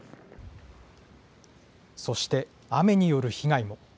そして雨による被害も。